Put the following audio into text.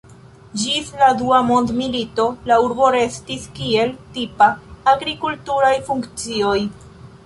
Ĝis la Dua Mondmilito la urbo restis kiel tipa agrikulturaj funkcioj.